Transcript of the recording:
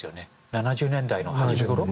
７０年代の初めごろ？